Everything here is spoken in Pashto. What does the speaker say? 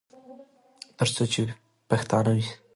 تر څو چې پښتانه وي.